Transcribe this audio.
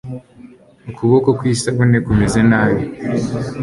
ukuboko kwisabune kumeze nabi